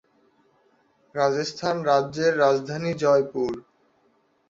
রাজস্থান রাজ্যের রাজধানী জয়পুর।